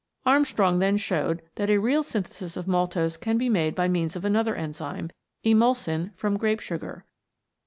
Armstrong then showed that a real synthesis of maltose can be made by means of another enzyme, Emulsin, from grape sugar.